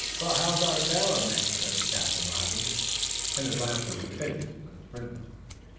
"Well, how's our sailorman?" said the captain, laughing, and his laughter was hideous to the prisoner.